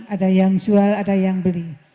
ada yang jual ada yang beli